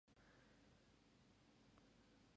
ほうめいさまおにげよ。